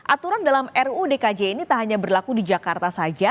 aturan dalam ruu dkj ini tak hanya berlaku di jakarta saja